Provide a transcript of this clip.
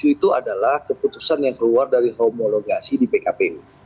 dua ribu dua puluh tujuh itu adalah keputusan yang keluar dari homologasi di pkpu